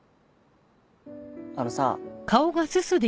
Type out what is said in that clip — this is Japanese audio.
あのさ。